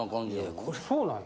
そうなんや。